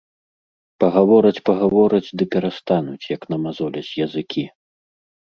Пагавораць, пагавораць ды перастануць, як намазоляць языкі.